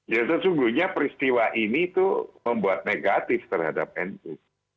ya sesungguhnya peristiwa ini itu membuat negatif terhadap nu